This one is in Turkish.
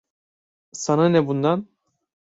Sana ne bundan?